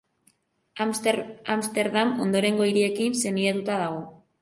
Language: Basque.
Amsterdam ondorengo hiriekin senidetuta dago.